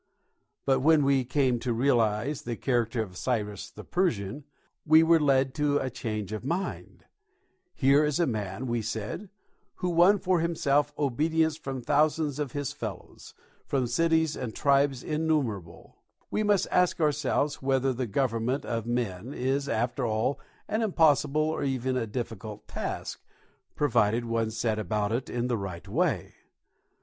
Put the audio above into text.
But when we came to realise the character of Cyrus the Persian, we were led to a change of mind: here is a man, we said, who won for himself obedience from thousands of his fellows, from cities and tribes innumerable: we must ask ourselves whether the government of men is after all an impossible or even a difficult task, provided one set about it in the right way.